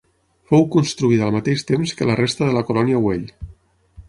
Fou construïda al mateix temps que la resta de la Colònia Güell.